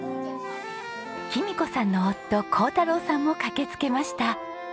貴美子さんの夫孝太郎さんも駆けつけました。